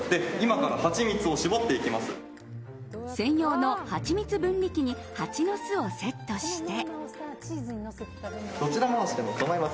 専用のハチミツ分離機に蜂の巣をセットして。